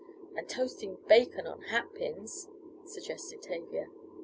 "And toasting bacon on hat pins," suggested Tavia.